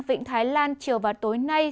vịnh thái lan chiều và tối nay